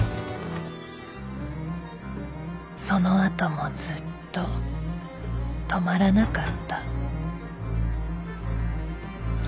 そのあともずっと止まらなかった。